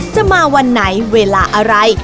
จะมาวันไหนเวลาอะไร